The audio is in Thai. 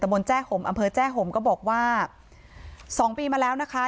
บนแจ้ห่มอำเภอแจ้ห่มก็บอกว่าสองปีมาแล้วนะคะ